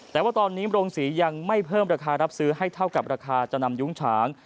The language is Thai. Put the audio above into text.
แต่ว่าตอนนี้โรงศรียังไม่เพิ่มราคารับซื้อให้เท่ากับราคาจะนำยุ้งฉาง